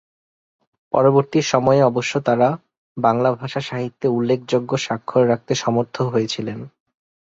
পরবর্তী সময়ে অবশ্য তাঁরা বাংলা ভাষা সাহিত্যে উল্লেখযোগ্য স্বাক্ষর রাখতে সমর্থ হয়েছিলেন।